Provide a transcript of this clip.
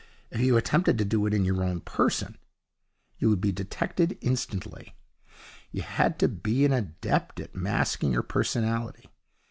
If you attempted to do it in your own person, you would be detected instantly. You had to be an adept at masking your personality.